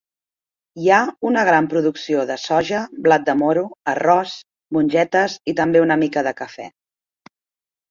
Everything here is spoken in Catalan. Hi ha una gran producció de soja, blat de moro, arròs, mongetes i també una mica de cafè.